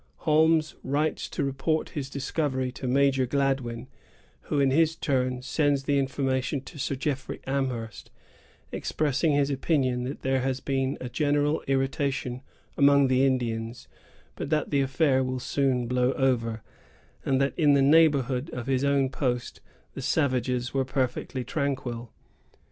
Holmes writes to report his discovery to Major Gladwyn, who, in his turn, sends the information to Sir Jeffrey Amherst, expressing his opinion that there has been a general irritation among the Indians, but that the affair will soon blow over, and that, in the neighborhood of his own post, the savages were perfectly tranquil.